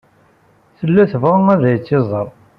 Tella tebɣa ad iyi-tẓer.